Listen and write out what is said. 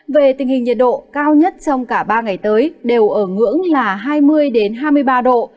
về tình hình nhiệt độ cao nhất trong cả ba ngày tới đều ở ngưỡng là hai mươi hai mươi ba độ